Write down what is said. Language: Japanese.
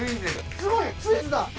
すごいツインズだ！